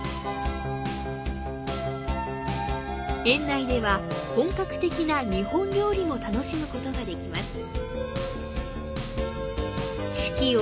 園内では本格的な日本料理も楽しむことが出来ます。